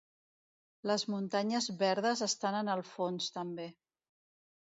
Les Muntanyes Verdes estan en el fons també.